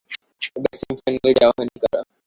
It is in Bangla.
এবার সেমিফাইনালেই যাওয়া হয়নি কারও।